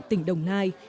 tỉnh đồng nai